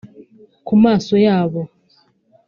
Ku maso yabo